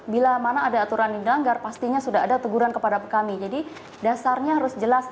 bila mana ada aturan yang dilanggar pastinya sudah ada teguran kepada kami jadi dasarnya harus jelas